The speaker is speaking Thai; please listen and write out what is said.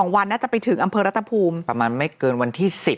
วันน่าจะไปถึงอำเภอรัฐภูมิประมาณไม่เกินวันที่๑๐